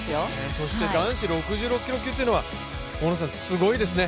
そして男子６６キロ級というのはすごいですね。